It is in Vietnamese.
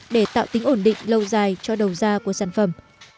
để tạo tính ổn định lâu dài cho đầu ra của sản phẩm